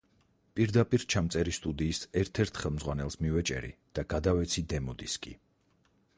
პირდაპირ ჩამწერი სტუდიის ერთ-ერთ ხელმძღვანელს მივეჭერი და გადავეცი დემო დისკი.